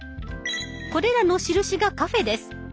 これらの印がカフェです。